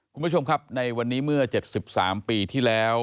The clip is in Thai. คุณผู้ชมครับในวันนี้เมื่อ๗๓ปีที่แล้ว